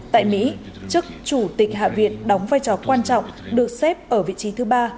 tại mỹ chức chủ tịch hạ viện đóng vai trò quan trọng được xếp ở vị trí thứ ba